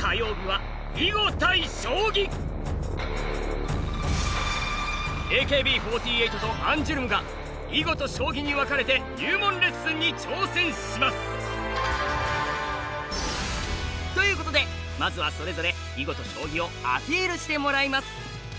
火曜日はＡＫＢ４８とアンジュルムが囲碁と将棋に分かれて入門レッスンに挑戦します！ということでまずはそれぞれ囲碁と将棋をアピールしてもらいます！